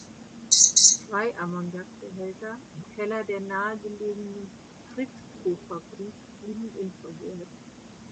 Zwei Ammoniak-Behälter im Keller der nahegelegenen "Frisco"-Fabrik blieben unversehrt.